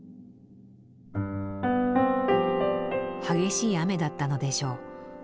激しい雨だったのでしょう。